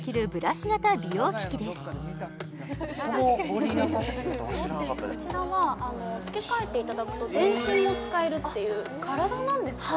こちらは付け替えていただくと全身も使えるっていう体なんですか？